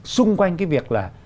xung quanh cái việc là